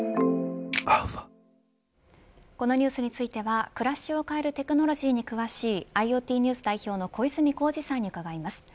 このニュースについては暮らしを変えるテクノロジーに詳しいＩｏＴＮＥＷＳ代表の小泉耕二さんに伺います。